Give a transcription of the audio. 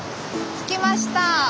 着きました。